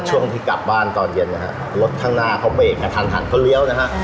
ช่วงที่กลับบ้านตอนเย็นนะฮะรถข้างหน้าเขาเบรกกระทันหันเขาเลี้ยวนะฮะ